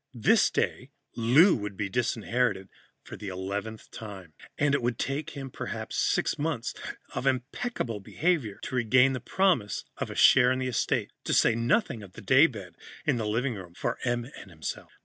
This day, Lou would be disinherited for the eleventh time, and it would take him perhaps six months of impeccable behavior to regain the promise of a share in the estate. To say nothing of the daybed in the living room for Em and himself.